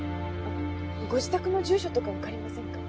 ご自宅の住所とかわかりませんか？